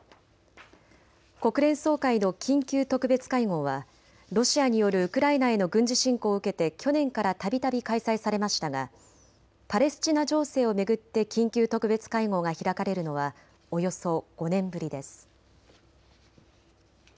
国連総会の緊急特別会合はロシアによるウクライナへの軍事侵攻を受けて去年からたびたび開催されましたがパレスチナ情勢を巡って緊急特別会合が開かれるのはおよそ５年ぶりです。